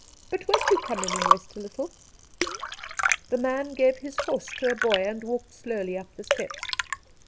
But won't you come in and rest a little ?' The man gave his horse to a boy and walked slowly up the steps.